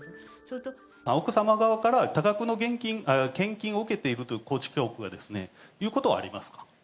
奥様側から多額の献金を受けているという、高知教会がですね、ということはありますか。